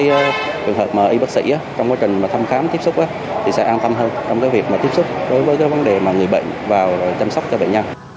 các trường hợp y bác sĩ trong quá trình thăm khám tiếp xúc thì sẽ an tâm hơn trong việc tiếp xúc đối với vấn đề người bệnh vào chăm sóc cho bệnh nhân